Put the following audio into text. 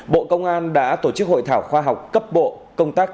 bộ công an đã tổ chức hội thảo khoa học cấp bộ công tác